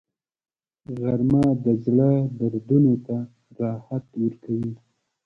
غرمه د زړه دردونو ته راحت ورکوي